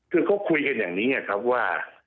คือเขาคุยกันอย่างนี้ไงครับว่า